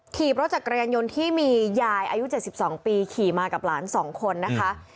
ขี่เพราะจากกระยังยนต์ที่มียายอายุ๗๒ปีขี่มากับหลานสองคนนะคะ